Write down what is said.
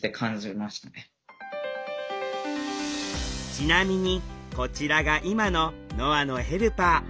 ちなみにこちらが今のノアのヘルパー。